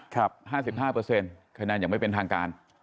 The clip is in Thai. ๕๕แค่นั้นยังไม่เป็นทางการ